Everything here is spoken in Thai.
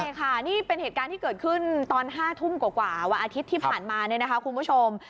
ใช่ค่ะนี่เป็นเหตุการณ์ที่เกิดขึ้นตอน๕ทุ่มกว่าวันอาทิตย์ที่ผ่านมาเนี่ยนะคะคุณผู้ชม